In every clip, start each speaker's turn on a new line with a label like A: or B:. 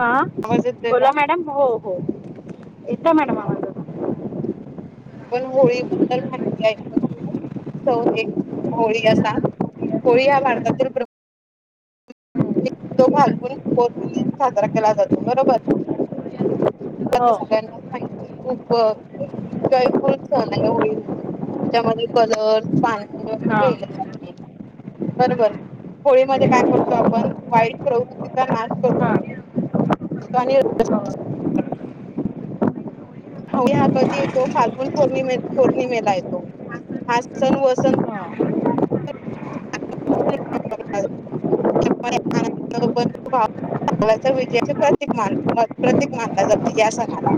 A: हा
B: आवाज येतोय का?
A: बोला
B: आपण
A: मॅडम हो हो येत आहे मॅडम आवाज आ
B: पण होळी बद्दल माहिती आहे का? [unintelligible] एक होळी असा होळी हा भारतातील प्रमुख तो फाल्गुन पोणीमेला साजरा केला जातो बरोबर.
A: हो
B: आता सगळ्यांनाच माहितीय खूप एन्जॉय खूप नाही होई म्हे त्याच्यामध्ये कलर पा
A: हां
B: बरोबर होळीमध्ये काय करतो आपण वाईट प्रवृतीचा नाश कर
A: हां हां हां
B: [unintelligible] हो हा कधी येतो फाल्गुन पौर्णिमेला येतो, हा सण वसंत. त्या आगीला विजयाचे प्रतीक मानल जाते प्रतिक मानला जातं, या सणाला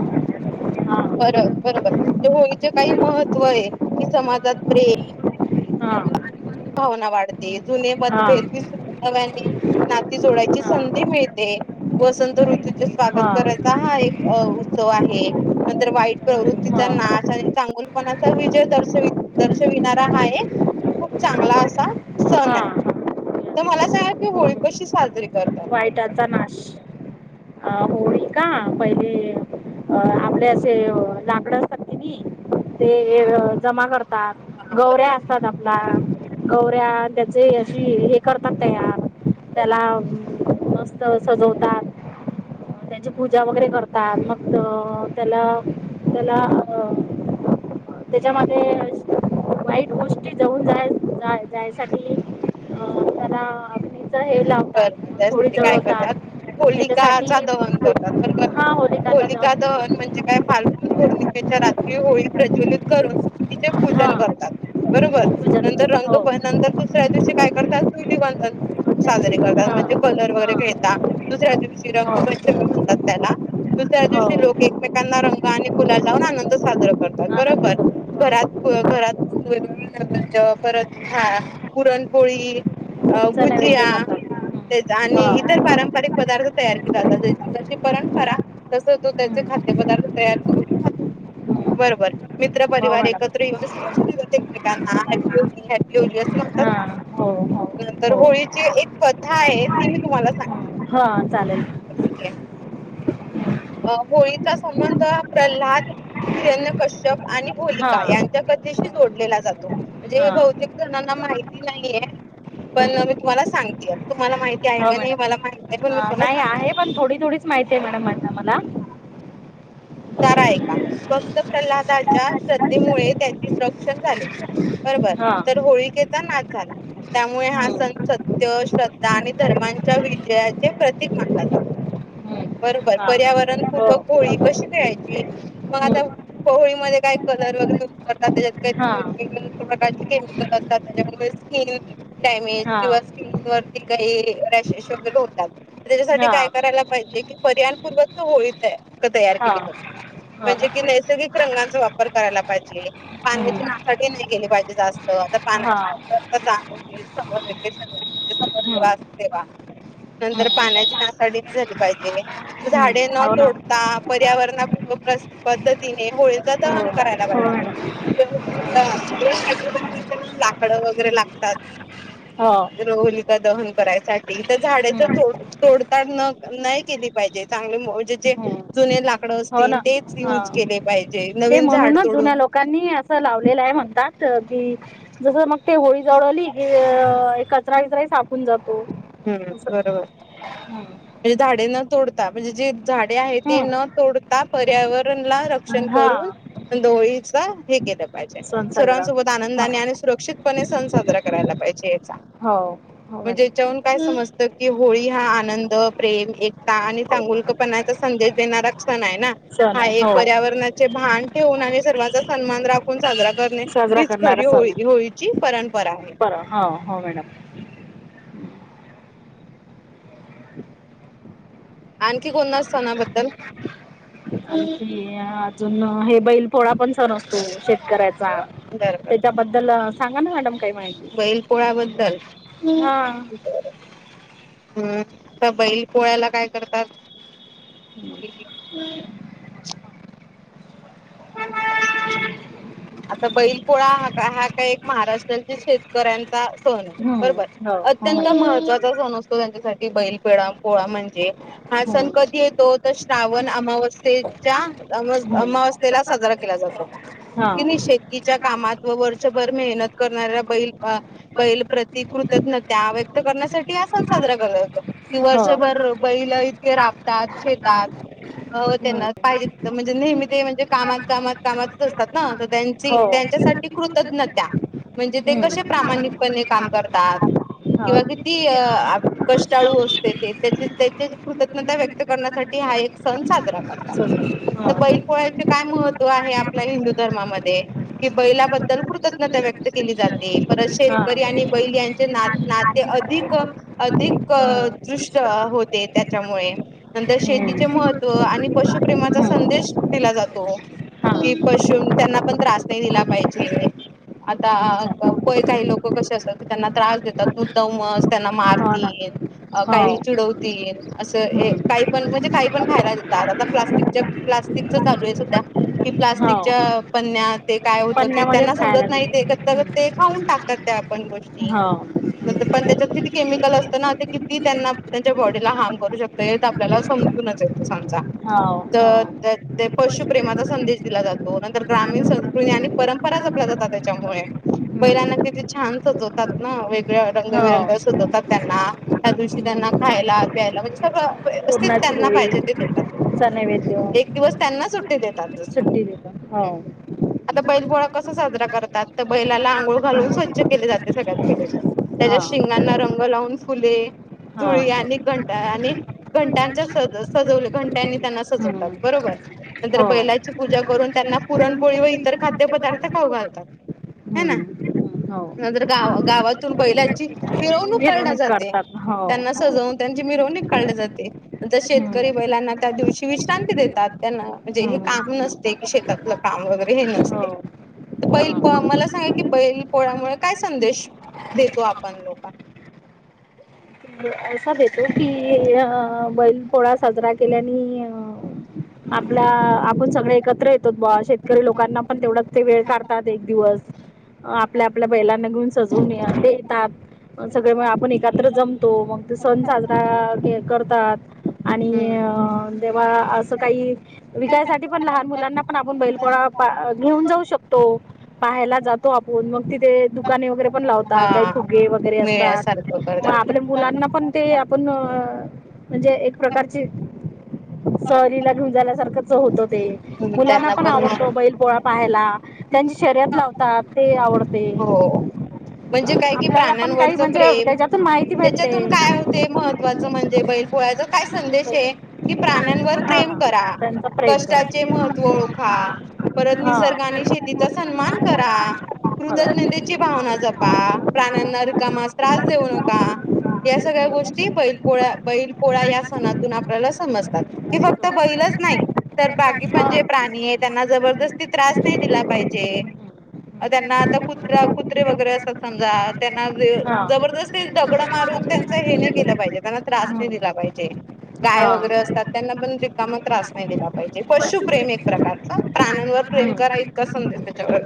A: हां
B: बरोबर होळीचे काही महत्त्व आहे कि समाजात
A: हां
B: भावना वाढते जुने
A: हां
B: मतभेद विसरून नव्यानी नाती जोडायची संधी मिळते वसंत ऋतूचे स्वागत करायचा हा एक उत्सव आहे नंतर वाईट प्रवृत्तीचा
A: हां
B: नाश आणि चांगुलपणाचा विजय दर्श दर्शविणारा हा एक खूप चांगला असा
A: हां
B: सण आहे
A: हां
B: तर मला सांगल की होळी कशी साजरी? करतात
A: वाईटाचा नाश अ होळी का? पहिले अ आपले असे लाकड असतात कि नाही म [unintelligible] जमा करत
B: हा बरोबर
A: गवऱ्या असतात आपला गवऱ्या त्याचे अशी हे करतात तयार त्याला मस्त सजवतात त्याची पूजा वगैरे करतात मग त्याला त्याला त्याच्यामध्ये वाईट गोष्टी जळून जाण्यासाठी आपण हा होळीचा अग्नी पेटवतो हे लागतात
B: बरं बर त्यासाठी काय करतात होलिका दहन करतात पण
A: हा होलिकाचा
B: होलिका दहन म्हणजे काय? पौर्णिमेच्या रात्री होळी प्रज्वलित करून तिचे
A: हा
B: पूजन करतात बरोबर
A: पूजन
B: नंतर
A: हो
B: दुसऱ्या
A: हा
B: दिवशी काय करतात धुलीवंदन साजरे करतात म्हणजे रंग वगैरे खेळताात दुसऱ्या दिवशी रंगपंचमी म्हणतात, त्याला दुसऱ्या
A: हा हो
B: दिवशी
A: हो
B: लोक एकमेकांना रंग आणि गुलाल लावून आनंद साजरा करतात
A: आनंद
B: बरोबर घरात -घरात, नैवेद्य करतातं
A: हो
B: पुरणपोळी,
A: चा नैवेद्य
B: भुजिया
A: करतात
B: आणि इतर
A: हा.
B: पारंपरिक पदार्थ तयार केले जातात जशी ज्याची परंपरा तस तो त्याचे खाद्य पदार्थ तयार करून खातो. बरोबर, मित्र
A: हो
B: परिवार
A: मॅडम.
B: एकत्र येऊन एकमेकांना हॅपहोली हैप्पी होली अस म्हणतात,
A: हा हो हो
B: ना नंतर
A: हो.
B: होळीची एक काय ती मी तुम्हाला सांगते
A: हा चालेल
B: ठीक आहे. होळीचा संबंध प्रल्हाद हिरण्य कश्यप यांच्या शी
A: हा.
B: आहे आणि होलिका जोडलेला जातो म्हणजे बहुतेक जणांना माहिती नाहीये, पण मी तुम्हाला सांगते तुम्हाला माहिती आहे
A: हो
B: का नाही
A: मॅडम
B: मला माहित नाही पण मी तुम्हाला
A: नाही
B: सांगते.
A: आहे पण थोडी थोडीच माहिती आहे मॅडम मला
B: एक तारा आहे, भक्त प्रल्हादाच्या श्रद्धेमुळे त्याचे रक्षण झाले बरोबर तर, होलिकेचा नाश झाला त्यामुळे हा सण सत्य, श्रद्धा, आणि धर्मांच्या विजयाचे प्रतीक मानला जातो बरोबर पर्यावरणपूर्वक होळी कशी साजरी करावी मग आता होळीमध्ये काही रंग पण वापरतात त्या रंगांमध्ये रासायनिक पदार्थांचा वापर केला नाही पाहिजे प्रकारचे केमिकल असतात त्याच्यामुळे स्किन डॅमेज किंवा स्कन वरती एलर्जी येऊ शकते काही रेश वगैरे होतात त्याच्यासाठी काय करायला पाहिजे की पर्यानपूर्वक होळी तयार केली
A: हा
B: म्हणजे कि नैसर्गिक रंगाचा वापर करायला पाहिजे पाण्याची नासा नाही केली पाहिजे जास्त आता पाण्याची कमतरता जाणव समोरेश म्हणजे समोर जेव्हा तेव्हा
A: हो
B: नंतर
A: ना
B: पाण्या डीली पाहिजे झाडे न
A: हो
B: तोडता वरूर् पद्धतीने होळीचा दहन करायला
A: हो
B: पाहिजे
A: मॅडम
B: लाकडं वगैरे लागतात
A: हो
B: रोहली काा दहन तर झाड तोडताड नाही केली पाहिजे चांगले म्हणजे जे
A: हम्म.
B: जु ला
A: हो ना हा ते
B: नवीन झाड
A: म्हणूनच
B: तोडून
A: जुन्या लोकांनी असं लावलेलं आहे म्हणतात की जस मग ते होळी जवळ आली की कचरा विचरा सापून जातो
B: हम्म बरोबर त म्हणजे जे. झाडे आहे ती
A: हम्म.
B: न तोडता. पर्यावरण ला.
A: हां
B: करून दोळी. सा ह हेग आहे.
A: सण साजरा
B: सर्वांसोबत आनंदाने आणि सुरक्षित सण साजरा करायला पाहिजे याचा
A: हो हो
B: म्हणजे याच्याहून काय समजत कि होळी हा आनंद प्रेम एकता आणि
A: मॅडम
B: चांगुलकपणाचा संदेश देणारा सण आहे ना
A: सण
B: हा
A: आहे
B: एक
A: हो
B: पर्यावरणाचे भान ठेवून आणि सर्वचा सन्मान राखून.
A: साजरा
B: हीच
A: करणारा
B: खरी हो होळीची. परंपरा आहे.
A: सण बरं हो हो मॅडम.
B: आणखी कोणत्या सणाबद्दल?
A: आणखी आ. अजून हे बैल पोळा पण सण असतो शेतकऱ्याचा
B: बरोबर
A: त्याच्याबद्दल सांगा ना मॅडम काही माहिती
B: बैल पोळ्याबद्दल
A: हा.
B: तात.
A: [unintelligible]
B: आता बैल पोळा हा हा काय एक महाराष्ट्राच्या शेतकऱ्यांचा सण आहे
A: हम्म
B: बरोबर
A: हो हो. हम्म
B: अत्यंत
A: हा.
B: महत्त्वाचा सण असतो त्यांच्यासाठी बैल पेडा पोळा म्हणजे. ते हा सण कधी येतो तर श्रावण अमावस्थेच्या
A: हो
B: अमावस्थेला साजरा. कि नाही शेतीच्या कामात व वर्षभर मेहनत करणाऱ्या बैल बैल
A: हम्म
B: प्रतिकृतज्ञ त्या व्यक्त करण्यासाठी ह सण साजरा केला जातो की वर्षभर बैल. राबतात शेतात त्यांना पाहिजेत म्हणजे नेहमी ते म्हणजे कामात कामात. कामातच असतात ना तर त्यां
A: हो.
B: त्यांच्यासाठी कृतज्ञ त्या म्हणजे ते कसे प्रामाणिकपणे काम करतात किंवा
A: हा.
B: किती कष्टाळू असते ते त्या त्याचे कृ व्यक्त करण्यासाठी हा एक सण साजरा करत तर
A: हो.
B: बैल पोळ्याचे काय महत्व. ो आहे आपल्या हिंदू धर्मामध्ये कि बैलाबद्ल. लकृतज्ञता व्यक्त केली जाते. परत शेतकरी आणि
A: हा.
B: बैल यांचे
A: हो
B: ना नाते अधिक अधिक दृष्ट होते त्याच्यामुळे नंतर शेतीचे महत्त्व आणि. पशुप्रेमाचा संदेश दिला जातो. कि पशु त्यांना पण त्रास नाही दिला पाहिजे आता कोय काही लोक कसे असतात तर त्यांना त्रास देतात. द्म त्यांना
A: ना
B: मारतिला
A: हो
B: काही चिडवतील असं काही पण म्हणजे काही पण खायला देतात आता प्लास्टिक प् च चालू आहे सध्या. कि
A: हो
B: प्लास्टिकच्या बरन्या ते काय होतं कि त्यांना
A: पन्न्यामध्येच खायला
B: समजत नाही ते करता ते खाऊन टाकतात त्या आपण गोष्टी
A: हो
B: नर पण त्याच्यात किती केमिकल असतं ना ते किती त्यांना त्यांच्या बॉडीला हार्म करू शकतो हे तर आपल्याला समजूनच येतं समज.
A: हो
B: तर ते पशुप्रेमात संदेश दिला जातो नंतर ग्रामीण संस्कृती आणि परंपरा जपल्या जातात त्या पलाना क छान सजवतात ना
A: हो
B: रंगविरंग अस होतात त्यांना त्याृ त्यांना खायला प्यायला म्हणज व्यवस्थित
A: पुरणाची
B: त्यांना
A: पोळी
B: पाहिजे ते देतात
A: चा
B: एक दिवस त्यांना सुट्टी देतात जसं.
A: ट्टी
B: आता बैलपोळा कसा साजरा करतात बैला आंोळ घालून स्वच्छ केले जात ते सगळात काश त्याच्या
A: हा
B: शिंगांना रंग लावून फुले
A: हा
B: जुळी आणि घंटा आणि घंटांच्या सज सजवले घंट्यानी त्याना सजवतात
A: हम्म.
B: बरोबर इकडं
A: हो
B: बैल आहेत पूजा करून त्यांना पुरणपोळी व इतर खाद्यपदार्थ खाऊ घालतात हे ना
A: होम् हो
B: नंतर गाव गावातून बैलाची मिरवणूक काढली जाते
A: काढतात हो
B: त्यांना सजवून त्यांची मिरवणूक
A: हम्म.
B: काढली जाते नंतर शेतकरी बैलांना त्या दिवशी विश्रांती देतात पण त्यांना जे हे
A: हम्म.
B: काम नसते की शेतातलं काम वगैरे हे
A: हो
B: नसते पै मला सांगा कि बैल पोळ्यामुळे काय संदेश
A: हा.
B: देतो आपण लोकांना.
A: असा देतो की बैल पोळा साजरा केल्याने आपला आपण सगळे एकत्र येतो बा शेतकरी लोकांना पण तेवढाच ते वेळ काढतात एक दिवस आपल्या आपल्या बैलांना घेऊन सजवून देतात सगळे आपण एकत्र जम मग तो सण साजरा करतात.
B: हम्म
A: आणि तेव्हा असं काही विकायसाठी पण लहान मुलांना पण आपण बैल पोळा घेऊन जाऊ शकतो. पाहायला जातो आपण मग तिथे दुकाने वगैरे पण लावतात काही
B: हा
A: फुगे वगैरे असतात
B: मिळण्यासारखं
A: मग
B: करतात.
A: मुलांना पण ते आपण म्हणजे एक प्रकारची स्वारी ला घेऊन जा जाण्यासारख होत. मुलांना पण आवडतो बैल पोळा. पाहायला त्यांची शर्यत लावतात ते आवडत.
B: हो. म्हणजे काय कि
A: आपल्याला पण काही
B: प्राण्यांवरच
A: म्हणजे
B: प्रेम
A: त्याच्यातून माहिती भेटते
B: त्याच्यातून काय होते महत्त्वाचं म्हणजे बैल पोळ्याचा काय संदेश आहे की प्राण्यांवर
A: हा
B: प्रेम करा.
A: त्यांचा प्रेम
B: कष्टाचे महत्व ओळखा परत निसर्गाने शेतीचा सन्मान करा. कृतज्ञतेची भावना जपा प्राण्यांना रिकामा त्रास देऊ नका. का या सगळ्या गोष्टी बैल पोळ्या बैल पोळा या सणातून आपल्याला समजतात कि
A: हो
B: फक्त बैलच
A: हां हां
B: नाही तर बाकी पण जे
A: हां
B: प्राणी आहे त्यांना जबरदस्ती त्रास नाही दिला पाहिजे. त्यांना आता कुत्रा कुत्रे वगैरे अस त्यांना जबरदस्ती मारून त्यांच हे नाही केलं पाहिजे त्यांना त्रास नाही
A: दे
B: दिला पाहिजे. गाय वगैरे असतात त्यांना पण रीकामा त्रास नाही दिला पाहिजे. पशु प्रेम एक प्रकारचा प्राण्यांवर प्रेम करा इतका संदेश त्याच्यावर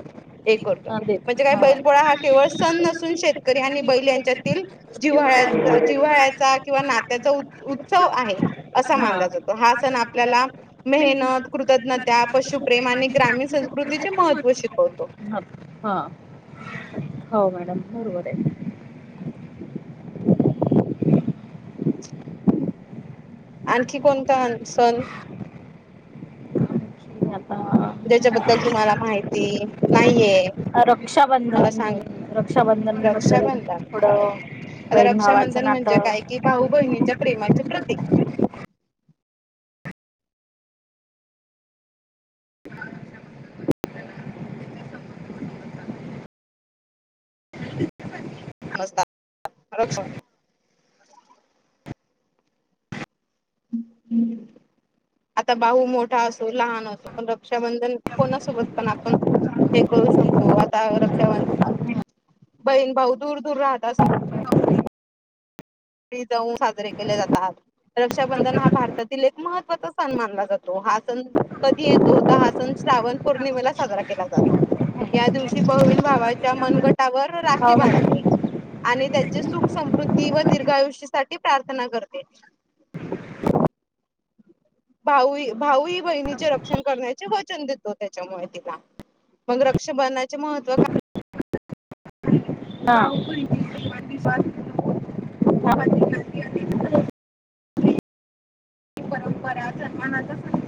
B: हे करतो म्हणजे काय बैल पोळा हा केवळ नसून शेतकरी आणि बैल यांच्यातील जिव्हाळ्याचा जिव्हाळ्याचा किंवा नात्याचा उत्सव आहे असा
A: हां हां
B: मानला जातो. हा सण आपल्याला मेहनत कृतज्ञता पशुप्रेम आणि ग्रामीण संस्कृतीचे महत्त्व शिकवतो.
A: हां हो मॅडम बरोबर आहे.
B: आणखी कोणता सण?
A: आणखी आता
B: ज्याच्याबद्दल तुम्हाला माहिती नाहीये मला
A: रक्षाबंधन
B: सांग
A: रक्षाबंधनबद्दल
B: रक्षाबंधन
A: थोडं
B: आता
A: बहीण भावाचं
B: रक्षाबंधन म्हणजे
A: नातं.
B: काय कि भाऊ बहिणीच्या प्रेमाचे प्रतीक रक्षण आता भाऊ मोठा असो लहान असो पण रक्षाबंधन कोणासोबत पण आपण हे करू शकतो आता रक्षाबंधन बहीण भाऊ दूर दूर राहत जाऊन साजरे केले जातात रक्षाबंधन हा भारतातील एक महत्त्वाचा सण मानला जातो हा सण कधी येतो तर हा सण श्रावण पौर्णिमेला साजरा केला जातो. या दिवशी बहवीन भावाच्या मनगट वर
A: हो
B: राखी
A: मॅडम
B: बांधते आणि त्याची सुख समृद्धी दिव दिर गायुष साठी प्रार्थना करते भाऊ भाऊ ह बहिणीचे रक्षण करण्याचे वचन देतो त्याच्यामुळे तिला मग रक्षा बंधनाचे महत्त्व
A: हा ह परंपरा सन्मानाचा स